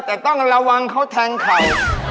แต่ต้องระวังเขาแทงเขา